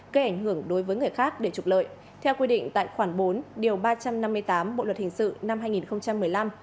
gây ảnh hưởng đối với người khác để trục lợi theo quy định tại khoản bốn điều ba trăm năm mươi tám bộ luật hình sự năm hai nghìn một mươi năm